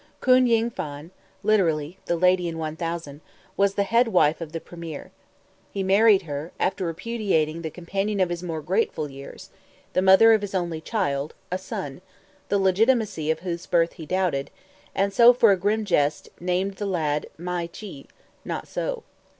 Koon Ying Phan (literally, "The Lady in One Thousand") was the head wife of the Premier. He married her, after repudiating the companion of his more grateful years, the mother of his only child, a son the legitimacy of whose birth he doubted, and so, for a grim jest, named the lad My Chi, "Not So."